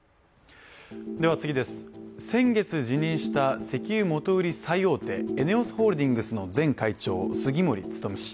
先月辞任した石油元売り最大手、ＥＮＥＯＳホールディングスの前会長、杉森務氏。